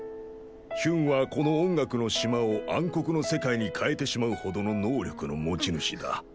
ヒュンはこの音楽の島を暗黒の世界に変えてしまうほどの能力の持ち主だ。